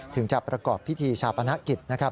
ถึงจะประกอบพิธีชาปนักกิจ